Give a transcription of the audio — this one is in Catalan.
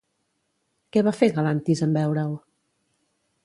Què va fer Galantis en veure-ho?